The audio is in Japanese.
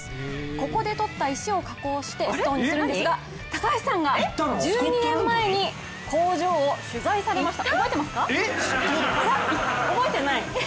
ここでとった石を加工してストーンにするんですが高橋さんが１２年前に工場を取材されました。